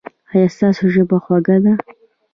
ایا ستاسو ژبه خوږه ده؟